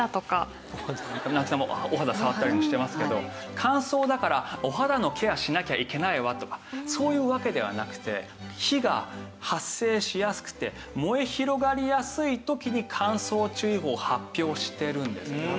夏樹さんもお肌触ったりもしてますけど乾燥だからお肌のケアしなきゃいけないわとかそういうわけではなくて火が発生しやすくて燃え広がりやすい時に乾燥注意報を発表しているんです。